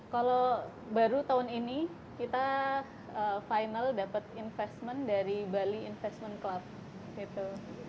kalau baru tahun ini kita final dapat investment dari bali investment club gitu